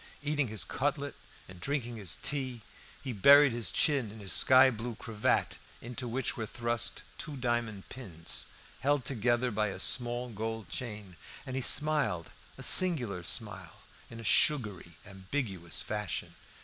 Eating his cutlet and drinking his tea, he buried his chin in his sky blue cravat, into which were thrust two diamond pins, held together by a small gold chain; and he smiled a singular smile, in a sugary, ambiguous fashion.